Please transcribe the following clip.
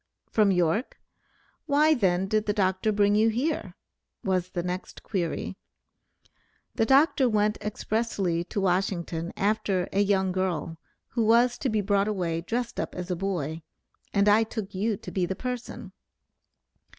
"From York? Why then did the Dr. bring you here?" was the next query, "the Dr. went expressly to Washington after a young girl, who was to be brought away dressed up as a boy, and I took you to be the person."